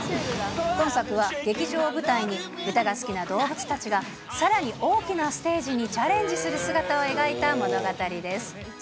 今作は劇場を舞台に、歌が好きな動物たちが、さらに大きなステージにチャレンジする姿を描いた物語です。